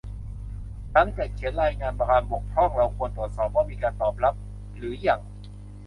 หลังจากเขียนรายงานความบกพร่อง เราควรตรวจสอบว่ามีการตอบรับหรือยัง